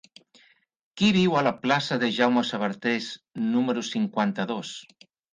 Qui viu a la plaça de Jaume Sabartés número cinquanta-dos?